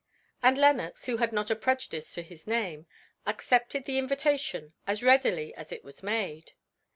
And Lenox, who had not a prejudice to his name, accepted the invitation as readily as it was made.